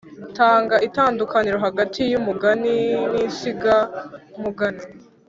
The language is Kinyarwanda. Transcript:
Tanga itandukaniro hagati y’umugani n’insigamugani